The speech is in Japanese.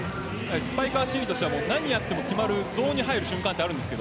スパイカーは何やっても決まるゾーンに入る瞬間があるんですが